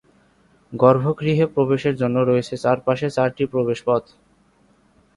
গর্ভগৃহে প্রবেশের জন্য রয়েছে চারপাশে চারটি প্রবেশপথ।